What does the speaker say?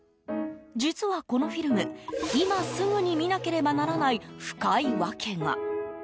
実は、このフィルム今すぐに見なければならない深い訳が。